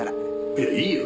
いやいいよ。